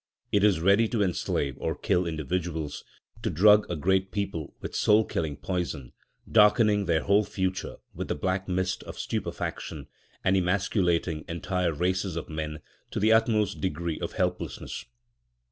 It is ready to enslave or kill individuals, to drug a great people with soul killing poison, darkening their whole future with the black mist of stupefaction, and emasculating entire races of men to the utmost degree of helplessness.